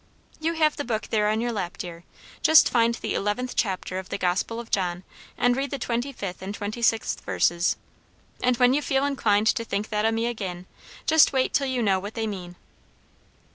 "You have the book there on your lap, dear. Just find the eleventh chapter of the Gospel of John, and read the twenty fifth and twenty sixth verses. And when you feel inclined to think that o' me agin, just wait till you know what they mean."